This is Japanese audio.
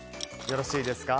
よろしいですか？